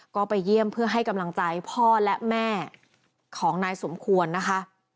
ก็ไปเยี่ยมเพื่อให้กำลังใจพ่อและแม่ของนายสมควรนะคะ